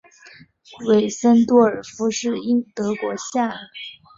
韦森多尔夫是德国下萨克森州的一个市镇。